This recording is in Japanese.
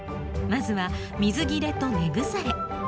まずは水切れと根腐れ。